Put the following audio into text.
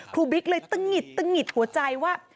ครูบิ๊กเลยตึงหงิดหัวใจว่า